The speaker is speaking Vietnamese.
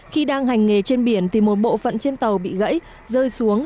khi đang hành nghề trên biển thì một bộ phận trên tàu bị gãy rơi xuống